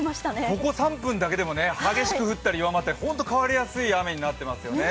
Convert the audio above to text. ここ３分だけでも激しく降ったり、弱まったりほんと変わりやすい雨になってますよね。